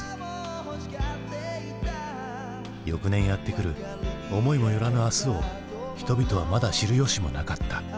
翌年やってくる思いも寄らぬ明日を人々はまだ知るよしもなかった。